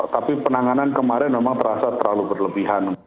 tapi penanganan kemarin memang terasa terlalu berlebihan